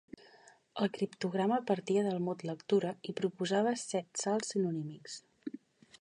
El criptograma partia del mot lectura i proposava set salts sinonímics.